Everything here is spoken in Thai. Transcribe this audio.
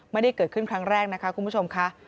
ไม่ได้เกิดขึ้นครั้งแรกนะคะคุณผู้ชมค่ะ